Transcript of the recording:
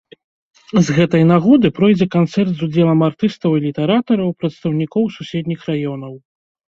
З гэтай нагоды пройдзе канцэрт з удзелам артыстаў і літаратараў, прадстаўнікоў суседніх раёнаў.